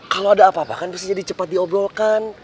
kalau ada apa apa kan mesti jadi cepat diobrolkan